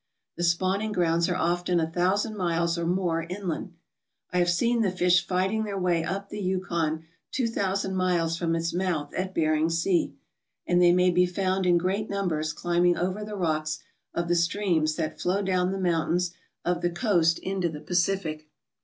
The spawning grounds are often a thousand miles or more inland. I have seen the fish fighting their way up the Yukon two thousand miles from its mouth at Bering Sea, and they may be found in great numbers climbing over the rocks of the streams that flow down the mountains of the coast into the Pacific.